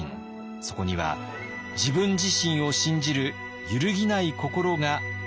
そこには自分自身を信じる揺るぎない心があったのです。